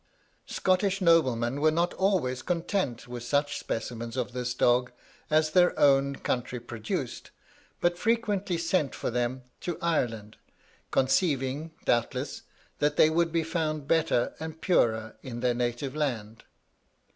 "Scottish noblemen were not always content with such specimens of this dog as their own country produced, but frequently sent for them to Ireland, conceiving, doubtless, that they would be found better and purer in their native land.